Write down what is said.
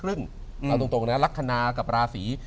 เอาตรงนะลักษณะกับราศี